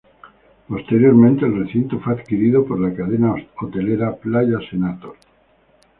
Posteriormente, el recinto fue adquirido por la cadena hotelera Playa Senator.